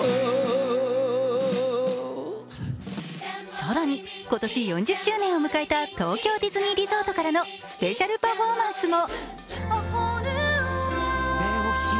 更に今年４０周年を迎えた東京ディズニーリゾートからのスペシャルパフォーマンスも。